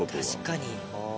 確かに。